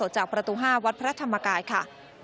จากประตู๕วัดพระธรรมกายค่ะ